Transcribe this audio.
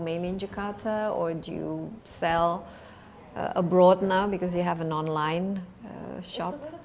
paling banyak di indonesia saat ini